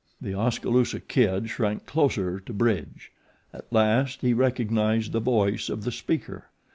The Oskaloosa Kid shrank closer to Bridge. At last he recognized the voice of the speaker.